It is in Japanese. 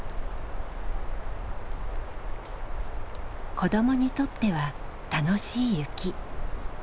子どもにとっては楽しい雪。